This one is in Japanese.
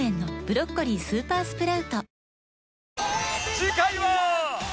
次回は